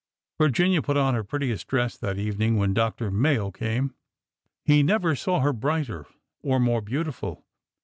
Virginia put on her prettiest dress that evening when Dr. Mayo came. He never saw her brighter or more beautiful.